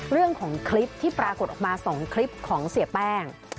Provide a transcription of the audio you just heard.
เรื่องของคลิปที่ปรากฏออกมา๒คลิปของเสียแป้ง